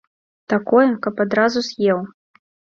Такое, каб адразу з'еў.